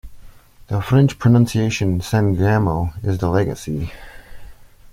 The French pronunciation "San-Gamo" is the legacy.